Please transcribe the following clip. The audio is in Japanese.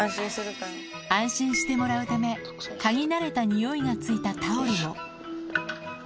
安心してもらうため、嗅ぎ慣れたにおいがついたタオルを。